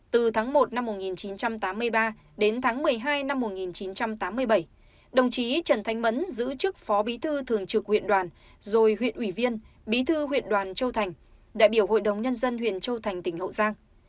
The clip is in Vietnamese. từ tháng một năm một nghìn chín trăm tám mươi ba đến tháng một mươi hai năm một nghìn chín trăm tám mươi bảy đồng chí trần thanh mẫn giữ chức phó bí thư thường trực huyện đoàn rồi huyện ủy viên bí thư huyện đoàn châu thành đại biểu hội đồng nhân dân huyện châu thành tỉnh hậu giang